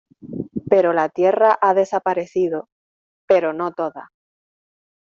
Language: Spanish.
pero la tierra ha desaparecido, pero no toda.